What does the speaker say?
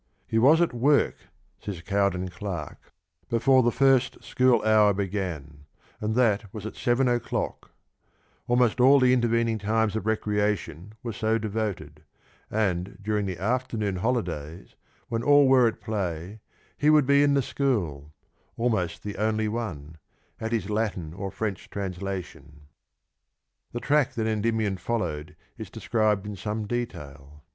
" He was at work," says Cowden Clarke, " before the first school hour 1 The Princess, Canto 11., 3oo. began, and that was at seven o'clock; almost all the intervening times of recreation were so devoted; and during the afternoon holidays, when all were at play, he would be in the school — almost the only one — at his Latin or French translation/'! ^x;^ i ^>^<f<^>M/';_ <U^ The track that Endymion followed is described in some detail.